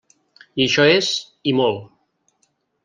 I això és, i molt.